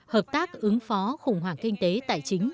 hợp tác ứng phó khủng hoảng kinh tế tài chính